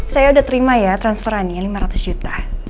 saya udah terima ya transferannya lima ratus juta